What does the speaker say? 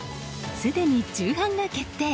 すでに重版が決定。